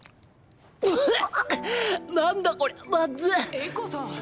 エコさん！